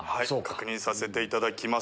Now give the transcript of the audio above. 確認させていただきます。